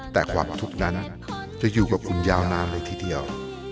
แต่ความทุกข์นั้นจะอยู่กับคุณยาวนานเลยทีเดียว